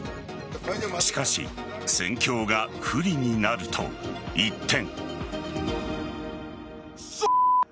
しかし戦況が不利になると一転。